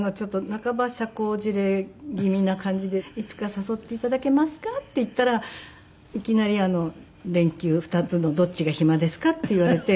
半ば社交辞令気味な感じで「いつか誘って頂けますか？」って言ったらいきなり「連休２つのどっちが暇ですか？」って言われて。